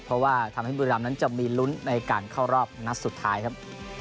เพราะว่าทำให้บุรีรำนั้นจะมีลุ้นในการเข้ารอบนัดสุดท้ายครับ